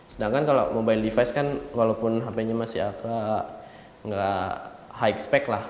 sedangkan kalau mobile device kan walaupun hapenya masih tidak high spec lah